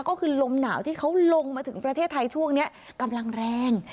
ก็คือลมหนาวที่เขาลงมาถึงประเทศไทยช่วงนี้กำลังแรง